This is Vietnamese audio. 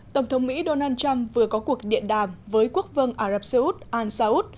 tổng thống mỹ donald trump vừa có cuộc điện đàm với quốc vương ả rập xê út an saut